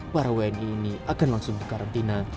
para wni ini akan langsung dikarantina